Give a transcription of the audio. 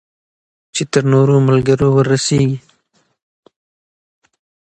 چې تر نورو ملګرو ورسیږي.